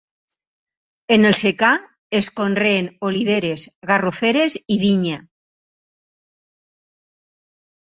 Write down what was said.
En el secà es conreen oliveres, garroferes i vinya.